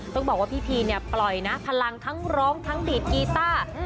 ต้องบอกว่าพี่พีเนี่ยปล่อยนะพลังทั้งร้องทั้งดีดกีต้า